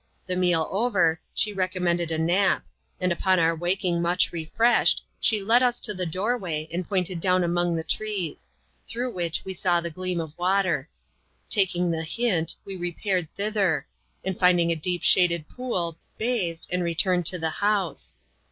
The meal over, she recommended a nap; and upon our waking much refreshed, she led us to the doorway, and pointed down among the trees ; through which we saw the gleam of water. Taking the hint, we repaired thither ; and finding a deep shaded pool, bathed, and returned to the house.